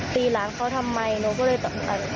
ตีหลานเขาทำไมหนูก็เลยตกใจ